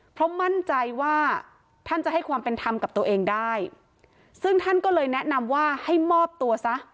เพราะมั่นใจว่าท่านจะให้ความเป็นธรรมกับตัวเองได้ซึ่งท่านก็เลยแนะนำว่าให้มอบตัวซะ